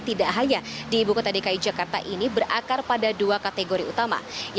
tidak hanya di ibu kota dki jakarta ini berakar pada dua kategori utama